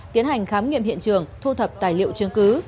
tiến hành khám nghiệm hiện trường thu thập tài liệu chứng cứ